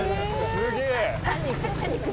すげえ！